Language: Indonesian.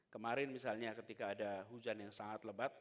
kemarin misalnya ketika ada hujan yang sangat lebat